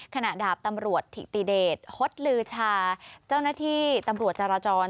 ขณะดาบตำรวจถิติเดชฮดลือชาเจ้าหน้าที่ตำรวจจารจร